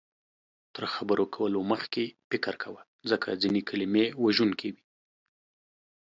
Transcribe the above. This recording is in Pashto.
تر خبرو کولو مخکې فکر کوه، ځکه ځینې کلمې وژونکې وي